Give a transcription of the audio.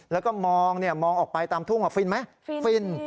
แล้วก็มองเนี้ยมองออกไปตามทุ่งออกฟินไหมฟินฟิน